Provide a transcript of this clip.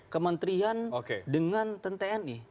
kementerian dengan tni